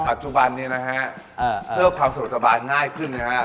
ปัจจุบันนี่นะฮะเพื่อความส่วนสบายง่ายขึ้นเนี่ยฮะ